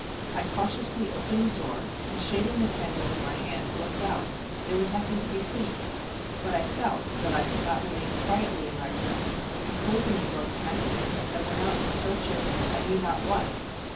I cautiously opened the door, and, shading the candle with my hand, looked out—there was nothing to be seen; but I felt that I could not remain quietly in my room, and, closing the door behind me, I went out in search of I knew not what.